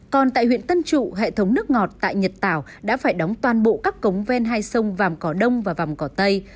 còn tại huyện tân trụ hệ thống nước ngọt tại nhật tảo đã phải đóng toàn bộ các cống ven hai sông vàm cỏ đông và vàm cỏ tây